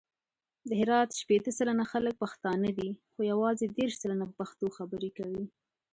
د هرات شپېته سلنه خلګ پښتانه دي، خو یوازې دېرش سلنه په پښتو خبري کوي.